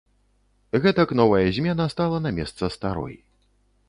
Гэтак новая змена стала на месца старой.